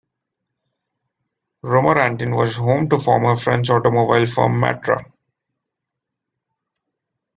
Romorantin was home to former French automobile firm Matra.